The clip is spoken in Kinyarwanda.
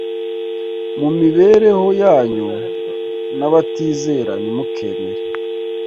Mu mibereho yanyu n’abatizera, ntimukemere